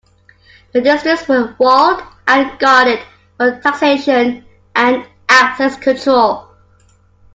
The districts were walled and guarded for taxation and access control.